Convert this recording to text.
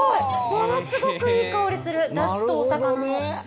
ものすごくいい香りするダシとお魚の。